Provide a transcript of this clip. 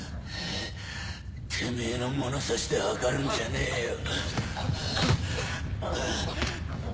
てめぇの物差しで測るんじゃねえよ。